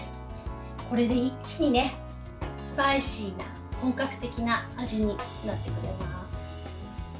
これで一気にねスパイシーな本格的な味になってくれます。